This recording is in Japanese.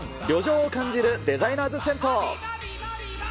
旅情を感じるデザイナーズ銭湯。